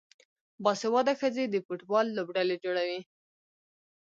باسواده ښځې د فوټبال لوبډلې جوړوي.